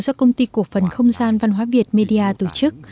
do công ty cổ phần không gian văn hóa việt media tổ chức